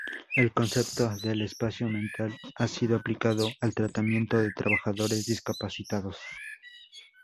El concepto del espacio mental ha sido aplicado al tratamiento de trabajadores discapacitados.